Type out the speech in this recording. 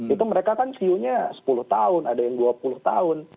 itu mereka kan view nya sepuluh tahun ada yang dua puluh tahun